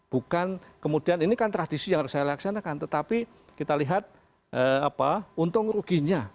bukan kemudian ini kan tradisi yang harus saya laksanakan tetapi kita lihat untung ruginya